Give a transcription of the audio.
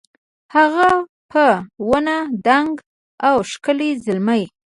هغه په ونه دنګ او ښکلی زلمی